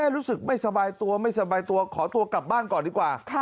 รู้สึกไม่สบายตัวขอตัวกลับบ้านก่อนดีกว่า